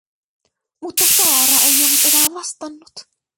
Mutta Saara ei ollut enää vastannut.